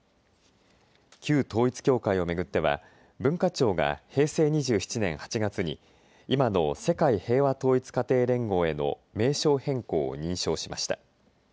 旧統一教会を巡っては文化庁が平成２７年８月に今の世界平和統一家庭連合への名称変更を認証しました。